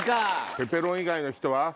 ペペロン以外の人は？